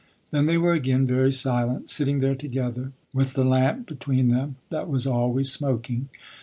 Then they were again very silent, sitting there together, with the lamp between them, that was always smoking.